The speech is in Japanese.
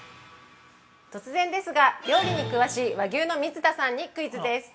◆突然ですが、料理に詳しい和牛の水田さんにクイズです。